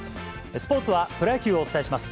スポーツはプロ野球をお伝えします。